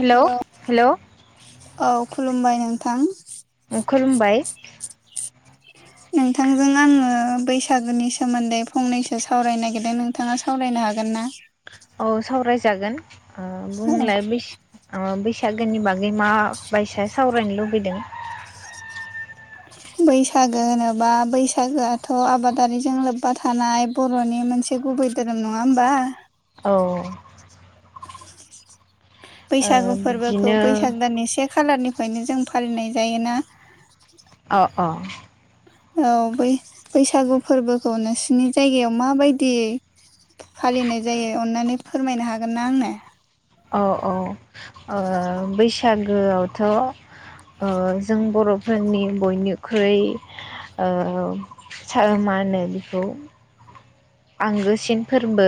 Hello hello hello औ खुलुमबाय नोंथां। खुलुमबाय। [inaudible] नोंथांजों आङो बैसागोनि सोमोन्दै फंनैसो सावरायनो नागिरदों नोंथाङा सावरायनो हागोन ना? औ सावरायजागोन ओ बुंलाय बेस ओ बैसागोनि बागै माबायसा सावरायनो लुबैदों? बैसागो होनोबा बैसागोआथ' आबादारिजों लोब्बा थानाय बर'नि मोनसे गुबै धोरोम नङा होमबा? औ ओ बैसागु फोरबोखौ बिदिनो बैसाग दाननि से खालारनिफ्रायनो जों फालिनाय जायोना? अ अ औ बै बैसागु फोरबोखौ नोंसिनि जायगायाव माबायदि फालिनाय जायो अननानै फोरमायनो हागोन ना आंनो? औ औ ओ बैसागोआवथ' अ जों बर'फोरनि बयनिख्रुइ ओ सा मा होनो बेखौ आंगोसिन फोरबो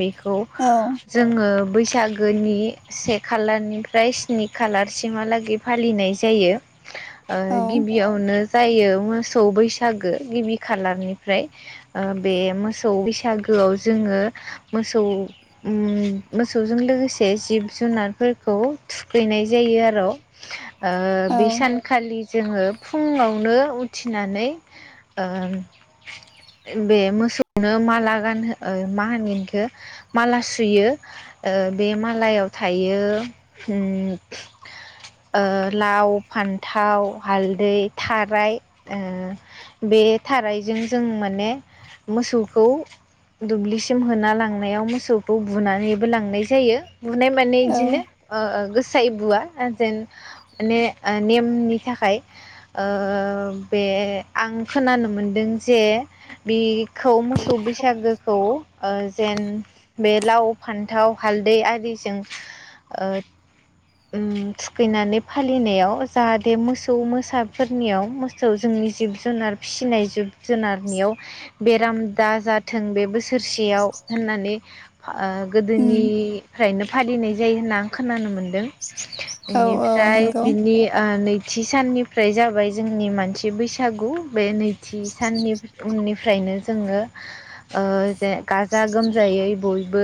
बेखौ औ जोङो बैसागोनि से खालारनिफ्राय स्नि खालारसिमहालागै फालिनाय जायो ओ गिबियावनो जायो मोसौ बैसागो गिबि खालारनिफ्राय ओ बे मोस औ बैसागोआव जोङो मोसौ उम मोसौजों लोगोसे जिब जुनारफोरखौ थुखैनाय जायो आरौ [inaudible] ओ औ बे सान खालि जोङो फुङावनो उथिनानै ओ ए बे मोसौ नो माला गानहो ओ मा होनो इखो माला सुयो। ओ बे मालायाव थायो उम ओ लाव, फान्थाव, हालदै, थाराय ओ बे थारायजों जों माने मोसौखौ दुब्लिसिम होना लांनायाव मोसौखौ बुनानैबो लांनाय जायो। बुनाय माने औ इदिनो ओ गोस सोआयै बुआ ओ जेन माने ओ नेमनि थाखाय ओ बे आं खोनानो मोनदों जे बे खौ मोसौ बैसागोखौ ओ जेन बे लाव, फान्थाव, हालदै आरिजों ओ उम थुखैनानै फालिनायाव जाहाथे मोसौ मोसाफोरनियाव मोस सौ जोंनि जिब जुनार फिसिनाय जिब जुनारनियाव बेराम दा जाथों बे बोसोर थोरसेयाव होननानै ओ गोदोनि उम फ्रायनो फालिनाय जायो होनना आं खोनानो मोनदों औ औ बेनिफ्राय नंगौ बिनि ओ नै थि साननिफ्राय जाबाय जोंनि मानसि बैसागु बे नैथि साननि उननि फ्रायनो जोङो ओ जे गाजा गोमजायै बय बो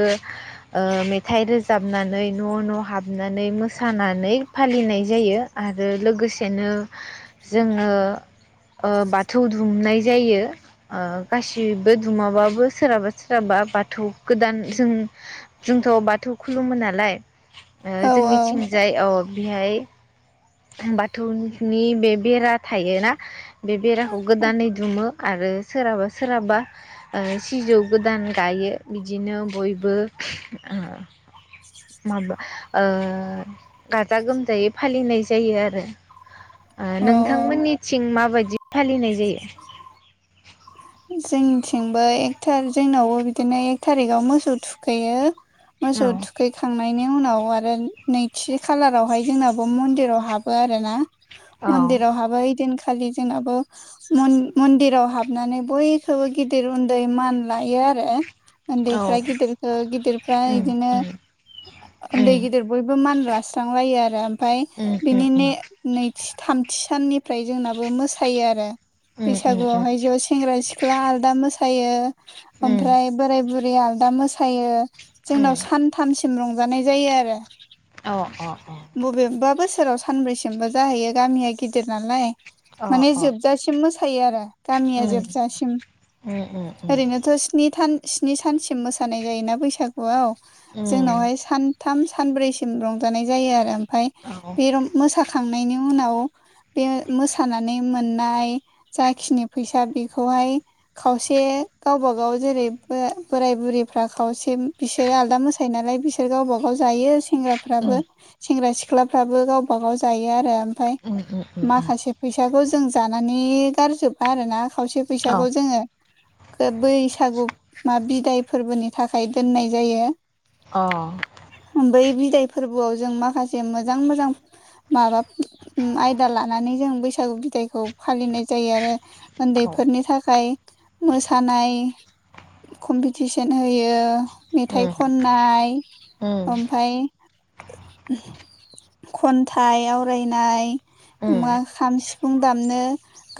ओ मेथाइ रोजाबनानै न' न' हाबनानै मोस सानानै फालिनाय जायो आरो लोगोसेनो जोङो ओ बाथौ दुमनाय जायो ओ गासिबो दुमाबाबो सोरहाबा सोरहाबा बाथौ गोदान जों जोंथ' बाथौ खुलुमो नालाय ओ औ जोंनि जाय औ बेहाय बाथौनि बे बेरा थायोना बे बेराखौ गोदानै दुमो आरो सोरहाबा सोरहाबा ओ सिजौ गोदान गायो बिदिनो बयबो ओ माबा ओ ओ गाजा गोमजायै फालिनाय जायो आरो ओ औ नोंथांमोननि सिं माबायदि फालिनाय जायो [inaudible] जोंनिथिंबो एक थारि जोंनावबो बिदिनो एक थारिकाव मोसौ थुखैयो मोसौ औ थुखै खांनायनि उनाव आरो नैथि खालारावहाय जोंनाबो मन्दिराव हाबो आरो ना औ मन्दिरावहाबो ओइदिनखालि जोंनाबो मन्दिराव हाबनानै बयखौबो गिदिर उन्दै मान लायो आरो औ उन्दैफ्रा गिदिरखौ गिदिरफ्रा उम इदिनो उम उन्दै उम गिदिर बयबो मानला स्रांलायो आरो ओमफ्राय उम उम बिनिनो नैथि थामथि साननिफ्राय जोंनाबो मोसायो आरो उम उम बैसागुआवहाय ज' सेंग्रा सिख्ला आलदा मोसायो उम ओमफ्राय बोराय बुरै आलदा दा मोसायो जोंनाव अ सानथामसिम रंजानाय जायो आरो अ अ अ बबेबा बोसोराव सानब्रैसिमबो जाहैयो गामिया गिदिर नालाय अ माने अ जोबजासिम मोसायो आरो गामिया उम जोबजासिम उम उम उम ओरैनोथ' स्नि सान स्नि सानसिम मोसानाय जायोना बैसागुआव उम जोंनावहाय सानथाम सानब्रैसिम दं जानाय जायो आरो ओमफ्राय औ बेरम मोसाखांनायनि उनाव बे मोसानानै मोननाय जाखिनि फैसा बेखौहाय खावसे गावबाागाव जेरै बोराय बुरिफ्रा खावसे बिसोरो आलदा मोसा नालाय बिसोर गावबा गाव जायो सेंग्रा उम फ्राबो सेंग्रा सिख्लाफ्राबो गावबा गाव जायो आरो ओमफ्राय माखासे फैसाखौ जों जानानै गारजोबबाय आरोोना खावसे फैसाखौ जोङो बैसागु मा बिदाय फोरबोनि थाखाय दोननाय जायो अ बै बिदाय फोरबोआव जों माखासे मोजां मोजां माबा आयदा लानानै जों बैसागु बिदायखौ फालिनाय जायो आरो उन्दैफोरनि थाखाय मोसानाय कम्पिटिसन होयो। मेथाइ खननाय ओमफ्राय खन्थाइ आवरायनाय मा खाम सिफुं सिफुं दामनो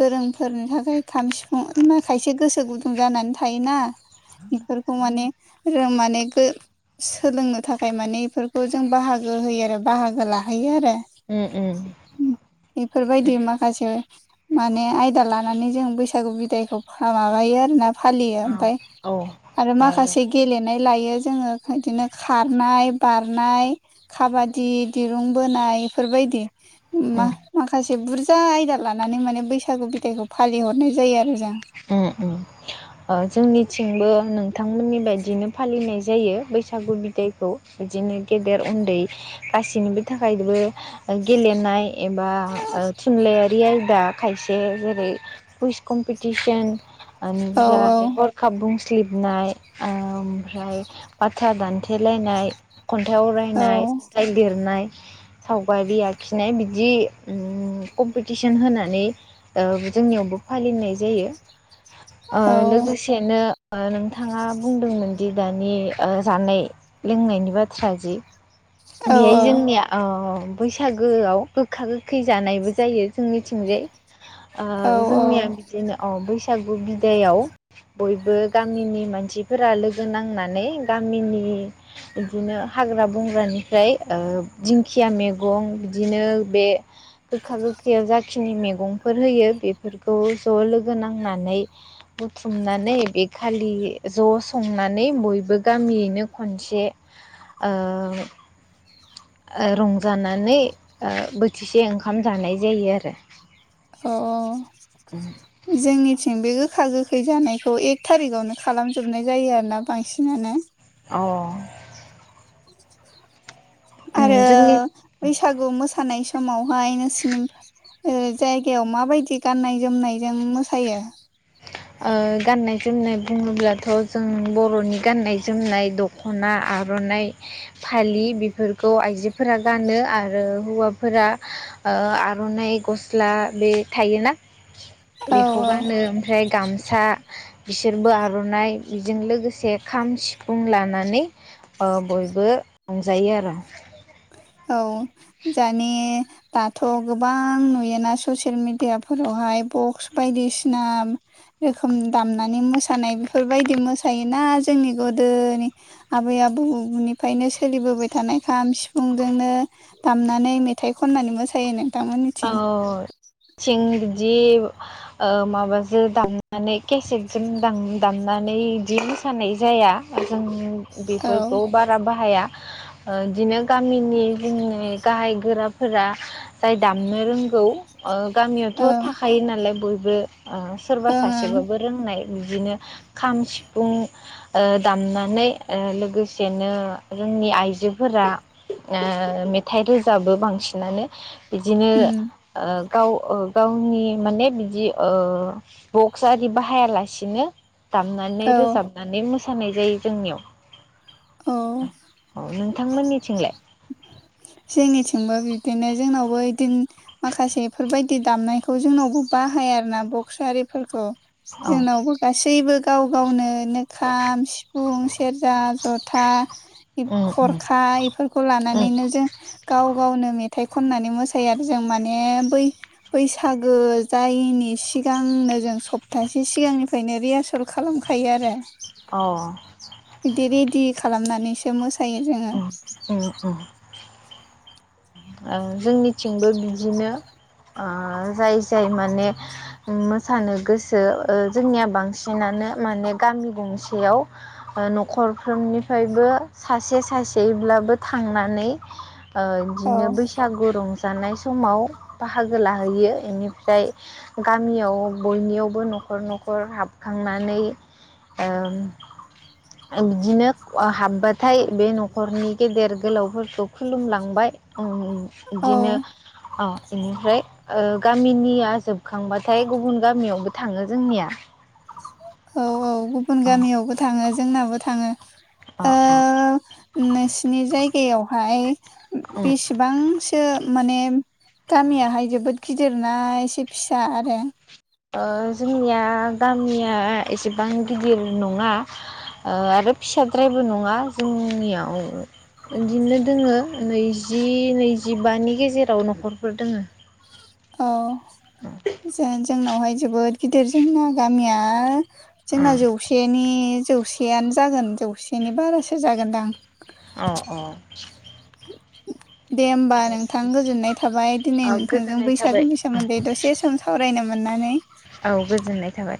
गोरोंफोरनि थाखाय खाम सिफुं खायसे गोसो गुदुं जानानै थायोना बेफोरखौ माने माने सोलोंनो थाखाय माने इफोरखौ खौ जों बाहागो होयो आरो बाहागो लाहैयो आरो उम उम बेफोरबायदि माखासे माने आयदा लानानै जों बैसागु बिदायखौ माबायो आर ना फालियो ओमफ्राय औ आरो माखासे गेलेनाय लायो जोङो बिदिनो खारनाय बार खारनाय खाबादि दिरुं बोनाय बेफोरबायदि मा-माखासे बुरजा आयदा लानानै माने बैसागु बिदाइखौ फालिहरनाय जायो आरोना उम उम जोंनिथिंबो नोंथांमोननि बायदिनो फालिनाय जायो बैसागु बैसागु बिदायखौ बिदिनो गेदेर उन्दै गासिनिबो थाखायबो गेलेनाय एबा थुनलाइारि आरो दा खायसे जेरै कुइस कमपिटिसन औ हरखाब बुंसलिबनाय ओमफ्राय बाथ्रा दानथेलायनाय खन्थाइ औ आवरायनाय खन्थाइ लिरनाय सावबायारि आखिनाय बिदि उम कमपिटिसन होनानै औ जोंनियावबो फालिनाय जायो ओ औ लोगोसेनो ओ नोंथाङा बुंदोंमोन दि दानि ओ जानाय लोंनायनि बाथ्रा जि बेहाय औ जोंनिया अ बैसागोआव गोखा गोखै जानायबो जायो जोंनिथिंजाय औ औ जोंनिया बिदिनो औ बैसागु दायाव बयबो गामिनि मानसिफोरा लोगो नांनानै गामिनि बिदिनो हाग्रा बंग्रानिफ्राय दिंखिया मैगं बिदिनो बे गोखा गोखैयाव जाखिनि मैगंफोर होयो बेफोरखौ ज' लोगो नांनानै बुथुमनानै बे खालि ज' संनानै बयबो गामियैनो खनसे ओ रंजानानै बोथिसे ओंखाम जानाय जायो आरो अ जोंनिथिं बे गोखा गोखा खैजानायखौ एक थारिकावनो खालामजोबनाय जायो आरोोना बांसिनानो अ उम आरो जोंनि बैसागु मोसानाय समावहाय नोंसिनि जायगायाव माबायदि गाननाय जोमनायजों मोसायो ओ गाननाय जोमनाय बुङोब्लाथ' जों बर'नि गाननाय जोमनाय दख खना आर'नाइ फालि बेफोरखौ आइजोफोरा गानो आरो हौवाफोरा आर'नाइ गस्ला बे थायोना औ बेखौ औ गानो ओमफ्राय गामसा बिसोरबो आर'नाइ बेजों लोगोसे खाम सिफुं लानानै ओ बयबो रंजायो आरो औ जानि दाथ' गोबां नुयोना ससियेल मेडियाफोरावहाय बक्स बायदिसिना रोखोम दामनानै मोसानाय बेफोरबायदि मोसायोना जोंनि गोदोनि आबै आबौनिफ्रायनो सोलिबोबाय थानाय खाहाम सिफुं मुंजोंनो दामनानै मेथाइ खननानै मोसायो नों औ सिंजि माबाजों दामनानै केसेटजों दामनानै बि मोसानाय जाया जों औ बेफोरखौ बार बाहाया ओ बिदिनो गामिनि जोंनि गाहाय गोराफोरा जाय दामनो रोंगौ औ गामियावथ' थाखायो नालाय बयबो सोरबा ओं ओं सासेबाबो रोंनाय बिदिनो खाम सिफुं दामनानै लोगोसेनो जोंनि आइजोफोरा मेथाइ रोजाबो बांसिनानो बिदिनो उम गाव गावनि माने बिदि बक्स आरि बाहायालासिनो दामनानै औ रोजाबनानै मोसानाय जायो जोंनियाव औ औ नोंथांमोननिथिंलाय जोंनिथिंबो बिबदिनो जोंनावबो बिदिन माखासेफोरबायदि दामनायखौ जोंनावबो बाहाया आरो ना बक्स आरिफोरखौ औ जोंनावबो गासैबो गाव गावनोनो खाम सिफुं सेरजा ज था उम उम खरखा बे खौ उम लानानैनो जों गाव गावनो मेथाइ खननानै मोसायो आरो जों माने बै बैसागो जायैनि सिगांनो जों सप्तासे सिगांनिफ्रायनो रिहारसल खालामखायो आरो अ बिदि रेडि खालामनानैसो मोसायो जोङो उम उम उम जोंनिथिंबो बिदिनो जाय जाय माने मोसानो गोसो जोंनिया बांसिनानो माने गामि गंसेयाव । न'खरफोरनिफ्रायबो सासे सासेब्लाबो थांनानै औ बिदिनो बैसागु रं जानाय समाव बाहागो लाहैयो बेनिफ्राय गामियाव बयनियावबो न'खर न'खर हाबखांनानै ओं [inaudible] बिदिनो हाबबाथाय बे न'खरनि गेदेर गोलावफोरखौ खुलुमलांबाय । औ बिदिनो इनिफ्राय गामिनिया जोबखांबाथाय गुबुन गामियावबो थाङो जोंनिया औ औ गुबुन अ गामियावबो थाङो जोंनाबो थाङो अ । नोंसिनि जायगायावहाय उम बेसेबांसो । माने गामियाहाय जोबोद गिदिरना एसे फिसा आरो । जोंनिया गामिया एसेबां गिदिर नङा । आरो फिसाद्रायबो नङा जोंनियाव बिदिनो दोङो नैजि नैजिबानि गेजेराव न'खरफोर दोङो । औ जों जोंनावहाय जोबोद गिदिर जोंना गामिया अ जोंना जौसेनि जौसेयानो जागोन जौसेनि बारासो जागोनदां । अ औ । दे होमबा नोंथां गोजोननाय थाबाय अ दिनै नोंथांजों गोजोननाय थाबाय बैसागोनि सो सोमोन्दै दसे सम सावरायनो मोननानै औ गोजोननाय थाबाय